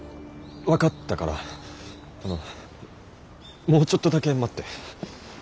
分かったからもうちょっとだけ待って。